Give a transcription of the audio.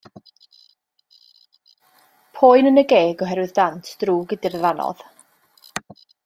Poen yn y geg oherwydd dant drwg ydy'r ddannodd.